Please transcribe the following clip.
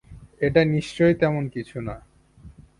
এটা নিশ্চয়ই তেমন কিছু না।